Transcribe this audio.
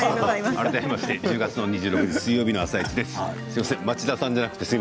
改めまして１０月２６日水曜日の「あさイチ」です。